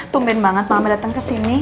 tumben banget mama datang kesini